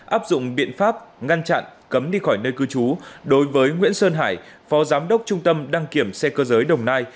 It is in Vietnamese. áp dụng biện pháp ngăn chặn cấm đi khỏi nơi cư trú đối với nguyễn sơn hải phó giám đốc trung tâm đăng kiểm xe cơ giới đồng nai